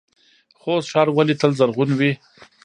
خوست ښار ولې تل زرغون وي؟